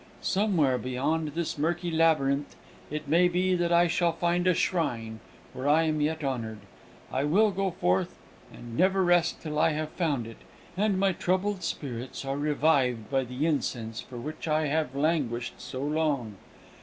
Somewhere beyond this murky labyrinth, it may be that I shall find a shrine where I am yet honoured. I will go forth, and never rest till I have found it, and my troubled spirits are revived by the incense for which I have languished so long.